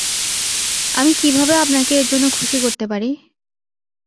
আমি কিভাবে আপনাকে এর জন্য খুশি করতে পারি?